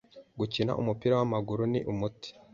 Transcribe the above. Gukina umupira w'amaguru ni umuti